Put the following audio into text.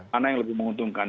mana yang lebih menguntungkan